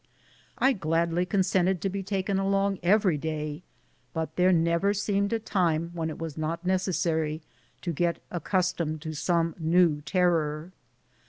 I gladly consented to be taken along every day, but there never seemed a time when it was not necessary to get accustomed to some new terror.